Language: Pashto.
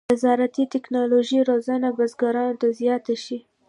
د زراعتي تکنالوژۍ روزنه بزګرانو ته زیاته شي.